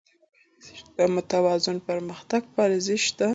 د متوازن پرمختګ پالیسي شته؟